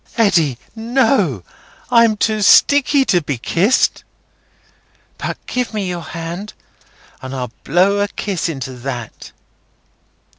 "Eddy, no! I'm too sticky to be kissed. But give me your hand, and I'll blow a kiss into that."